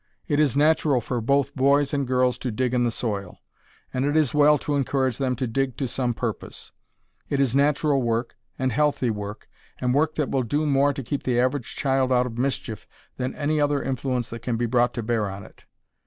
It is natural for both boys and girls to dig in the soil, and it is well to encourage them to dig to some purpose. It is natural work, and healthy work, and work that will do more to keep the average child out of mischief than any other influence that can be brought to bear on it.